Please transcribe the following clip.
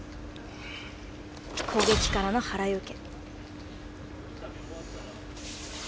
攻撃からの払い受け。